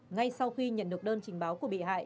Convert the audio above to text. ngay sau khi nhận được đơn trình báo của bị hại